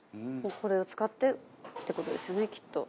これを使ってって事ですよねきっと。